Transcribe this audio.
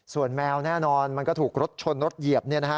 ส่วนแมวแน่นอนมันก็ถูกรถชนรถเหยียบ